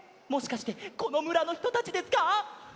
もしかしてこのむらのひとたちですか？